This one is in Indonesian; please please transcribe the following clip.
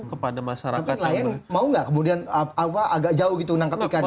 tapi nelayan mau nggak kemudian agak jauh gitu menangkap ikannya